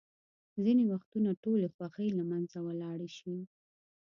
ځینې وختونه ټولې خوښۍ له منځه ولاړې شي.